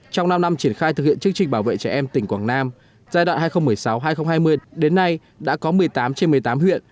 trong năm năm triển khai thực hiện chương trình bảo vệ trẻ em tỉnh quảng nam giai đoạn hai nghìn một mươi sáu hai nghìn hai mươi đến nay đã có một mươi tám trên một mươi tám huyện